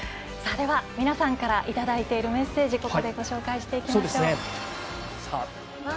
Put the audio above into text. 皆さんからいただいているメッセージをご紹介しましょう。